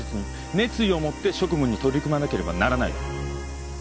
「熱意を持って職務に取り組まなければならない」だ